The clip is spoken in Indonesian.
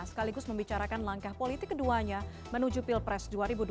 sekaligus membicarakan langkah politik keduanya menuju pilpres dua ribu dua puluh